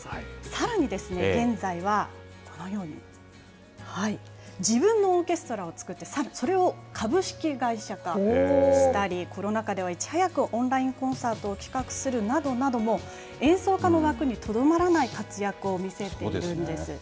さらにですね、現在はこのように、自分のオーケストラを作って、さらにそれを株式会社化したり、コロナ禍ではいち早くオンラインコンサートを企画するなどなどの演奏家の枠にとどまらない活躍を見せているんです。